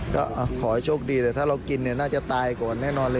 ก็ขอให้โชคดีแต่ถ้าเรากินเนี่ยน่าจะตายก่อนแน่นอนเลย